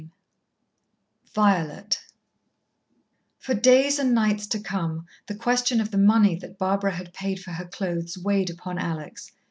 XXV Violet For days and nights to come, the question of the money that Barbara had paid for her clothes weighed upon Alex.